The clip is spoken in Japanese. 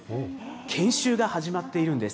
研修が始まっているんです。